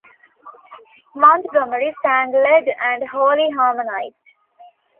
Montgomery sang lead and Holly harmonized.